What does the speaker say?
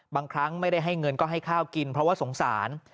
บางครั้งไม่ได้ให้เงินก็ให้ข้าวกินเพราะว่าสงสาร